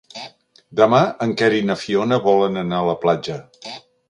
Demà en Quer i na Fiona volen anar a la platja.